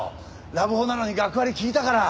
ラブホなのに学割利いたから。